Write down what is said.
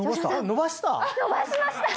伸ばしました。